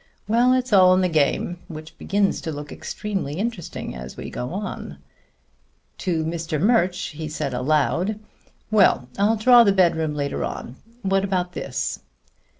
Well, it's all in the game; which begins to look extremely interesting as we go on." To Mr. Murch he said aloud: "Well, I'll draw the bedroom later on. What about this?"